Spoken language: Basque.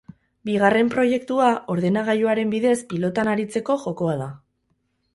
Bigarren proiektua ordenagailuaren bidez pilotan aritzeko jokoa da.